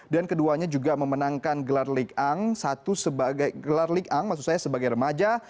dan keduanya juga memenangkan gelar ligue satu sebagai remaja